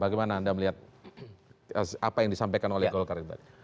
bagaimana anda melihat apa yang disampaikan oleh golkar